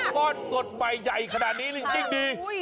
ก้อนสดใหม่ใหญ่ขนาดนี้จริงดี